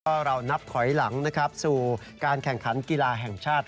ก็เรานับถอยหลังนะครับสู่การแข่งขันกีฬาแห่งชาติ